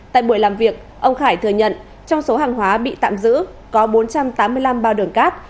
tại buổi làm việc ông khải thừa nhận trong số hàng hóa bị tạm giữ có bốn trăm tám mươi năm bao đường cát